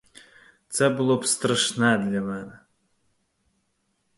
Це було б страшне для мене.